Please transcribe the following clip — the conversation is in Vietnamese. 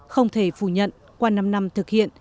không thể phủ nhận qua năm năm thực hiện